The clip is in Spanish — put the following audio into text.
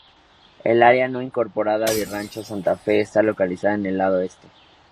El área no incorporada de Rancho Santa Fe está localizada en el lado este.